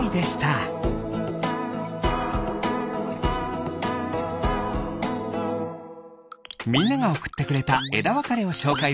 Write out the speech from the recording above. みんながおくってくれたえだわかれをしょうかいするよ。